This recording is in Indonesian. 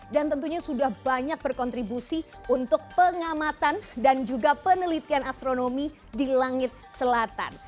dan tentunya sudah banyak berkontribusi untuk pengamatan dan juga penelitian astronomi di langit selatan